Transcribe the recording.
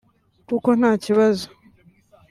kuko nta kibazo